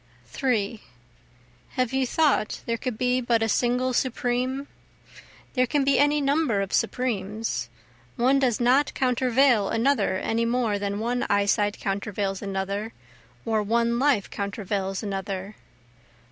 3 Have you thought there could be but a single supreme? There can be any number of supremes one does not countervail another any more than one eyesight countervails another, or one life countervails another.